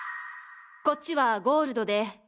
こっちはゴールドで。